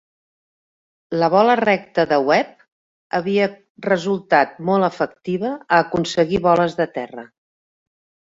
La bola recta de Webb havia resultat molt efectiva a aconseguir boles de terra.